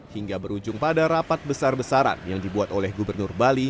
hingga berujung pada rapat besar besaran yang dibuat oleh gubernur bali